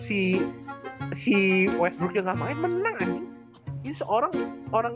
sih sih westbrook yang ngapain beneran ini ini seorang orang